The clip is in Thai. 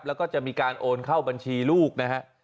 แล้วก็จะมีการโอนเข้าบัญชีลูกนะฮะ